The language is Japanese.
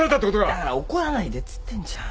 だから怒らないでっつってんじゃん。